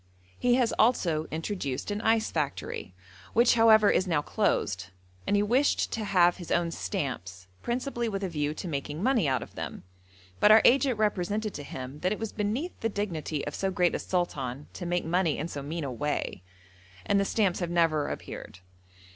He has also introduced an ice factory, which, however, is now closed, and he wished to have his own stamps, principally with a view to making money out of them; but our agent represented to him that it was beneath the dignity of so great a sultan to make money in so mean a way, and the stamps have never appeared.